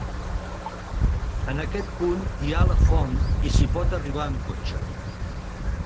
En aquest punt hi ha la font i s'hi pot arribar amb cotxe.